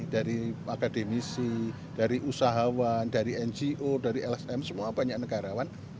dari akademisi dari usahawan dari ngo dari lsm semua banyak negarawan